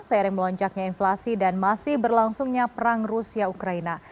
seiring melonjaknya inflasi dan masih berlangsungnya perang rusia ukraina